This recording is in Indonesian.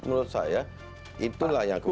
menurut saya itulah yang kita kritik